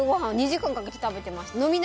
２時間かけて食べてました。